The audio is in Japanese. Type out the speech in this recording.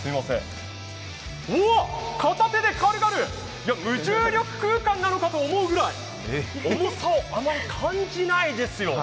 片手で軽々、無重力空間だと思うぐらい、重さをあまり感じないですよね。